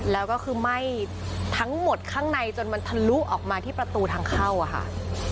แล้วก็คือไหม้ทั้งหมดข้างในจนมันทะลุออกมาที่ประตูทางเข้าอะค่ะ